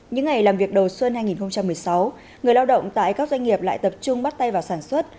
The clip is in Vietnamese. những ngày làm việc đầu xuân hai nghìn một mươi sáu người lao động tại các doanh nghiệp lại tập trung bắt tay vào sản xuất